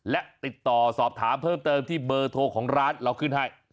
และติดต่อสอบถามเพิ่มเติมที่เบอร์โทรของร้านเราขึ้นให้